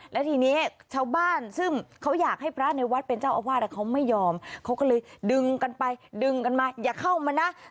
และทีนี้ชาวบ้านซึ่งเขาอยากให้พระในวัดเป็นเจ้าอาวาสเขาไม่ยอมเขาก็เลยดึงกันไปดึงกันมาอย่าเข้ามานะ